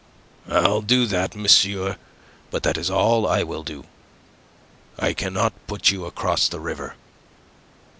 "I'll do that, monsieur. But that is all I will do. I cannot put you across the river."